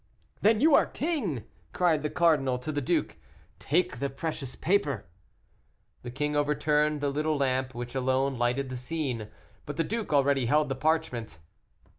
"Then you are king!" cried the cardinal to the duke; "take the precious paper." The king overturned the little lamp which alone lighted the scene, but the duke already held the parchment.